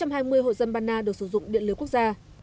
sáu trăm hai mươi hội dân ban na được sử dụng điện lưới quốc gia